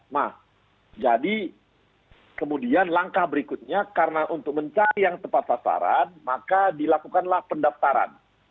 nah jadi kemudian langkah berikutnya karena untuk mencari yang tepat sasaran maka dilakukanlah pendaftaran